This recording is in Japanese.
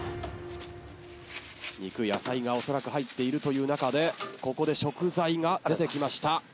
肉野菜がおそらく入っているという中でここで食材が出てきました。